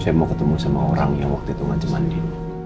saya mau ketemu sama orang yang waktu itu ngance mandi